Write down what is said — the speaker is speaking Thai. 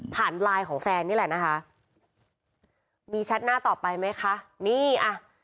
ไลน์ของแฟนนี่แหละนะคะมีแชทหน้าต่อไปไหมคะนี่อ่ะ